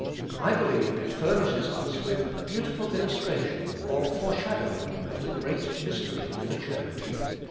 I believe it furnishes us with a beautiful illustration or foreshadowing of the great mystery of the Church.